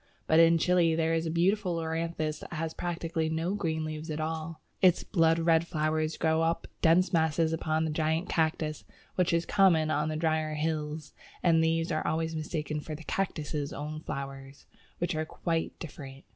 But in Chile there is a beautiful Loranthus that has practically no green leaves at all. Its blood red flowers grow in dense masses upon the giant Cactus, which is common on the drier hills, and these are always mistaken for the Cactus's own flowers, which are quite different.